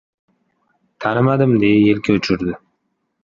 — Tanimadim, — deya yelka uchirdi.